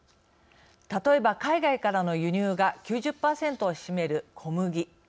例えば、海外からの輸入が９０％を占める小麦。